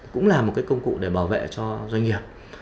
cũng là một cái công cụ để bảo vệ cho doanh nghiệp